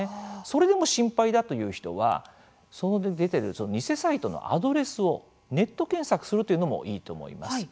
それでも心配だという人は偽サイトのアドレスをネット検索するというのもいいと思います。